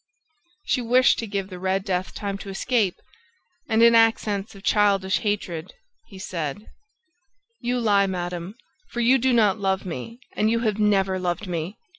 ... She wished to give the Red Death time to escape ... And, in accents of childish hatred, he said: "You lie, madam, for you do not love me and you have never loved me!